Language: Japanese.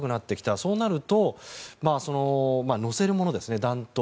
そうなると載せるもの、弾頭。